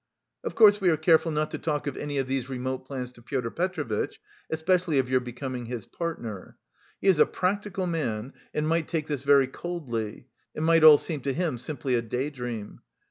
Of course we are careful not to talk of any of these more remote plans to Pyotr Petrovitch, especially of your becoming his partner. He is a practical man and might take this very coldly, it might all seem to him simply a day dream.